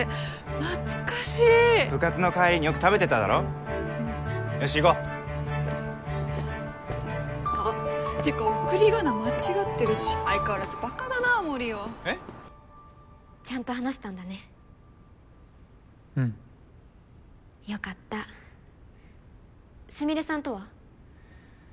懐かしい部活の帰りによく食べてただろよし行こうあってか送り仮名間違ってるし相変わらずバカだな森生えっ？ちゃんと話したんだねうんよかったスミレさんとは？